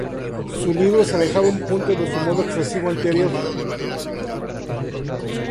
Su libro se alejaba un punto de su modo expresivo anterior.